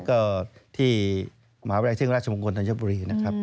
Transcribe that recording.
ก็ที่มหาวิทยาลัยซึ่งราชมงคลธัญบุรีนะครับ